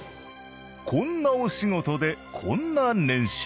こんなお仕事でこんな年収。